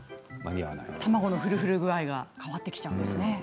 卵のふるふる加減が変わってくるんですね。